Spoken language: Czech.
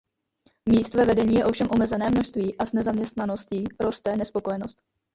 Míst ve vedení je ovšem omezené množství a s nezaměstnaností roste nespokojenost.